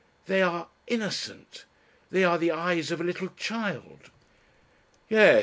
"They are ... innocent. They are the eyes of a little child." "Yes.